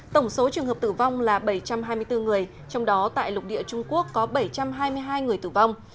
tổng số trường hợp tử vong là bảy trăm hai mươi bốn người trong đó tại lục địa trung quốc có bảy trăm hai mươi hai người tử vong